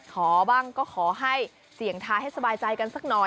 ขอบ้างก็ขอให้เสี่ยงทายให้สบายใจกันสักหน่อย